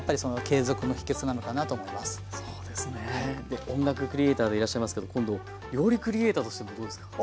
で音楽クリエーターでいらっしゃいますけど今度料理クリエーターとしてもどうですか？